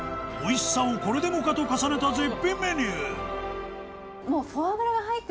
おいしさをこれでもかと重ねた絶品メニュー！